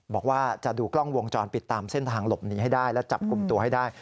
บอกว่าจะดูกล้องวงจรปิดตามเส้นทางหลบหนีให้ได้และจับกลุ่มตัวให้ได้